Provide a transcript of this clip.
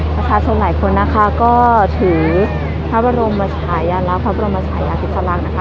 ภาษาชนหลายคนนะคะก็ถือภาพรมภาษายาภิกษุลาคนะคะ